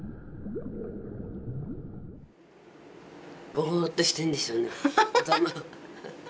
ボーッとしてるんでしょうね頭。